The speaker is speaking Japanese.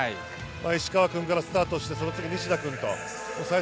石川君からスタートして西田君。